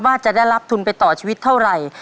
ว่าจะได้รับทุนไปต่อชีวิตเท่าไหร่